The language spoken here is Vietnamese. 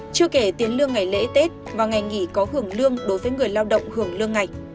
chưa kể tiền lương ngày lễ tết và ngày nghỉ có hưởng lương đối với người lao động hưởng lương ngày